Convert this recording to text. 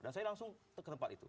dan saya langsung ke tempat itu